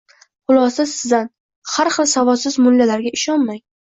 Xulosa sizdan, har xil savodsiz mullalarga ishonmang.